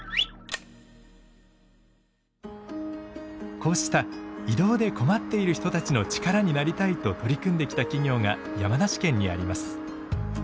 こうした移動で困っている人たちの力になりたいと取り組んできた企業が山梨県にあります。